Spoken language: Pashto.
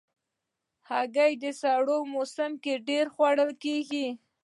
هګۍ د سړو په موسم کې ډېر خوړل کېږي.